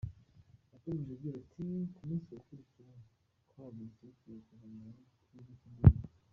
Yakomeje agira ati: “Ku munsi wakurikiye, twahagurutse twerekeza ku kibuga cy’indege.